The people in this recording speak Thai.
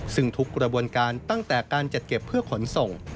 ซึ่งทุกกระบวนการตั้งแต่การจัดเก็บเพื่อขนส่ง